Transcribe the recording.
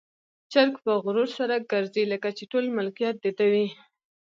چرګ په غرور سره ګرځي، لکه چې ټول ملکيت د ده وي.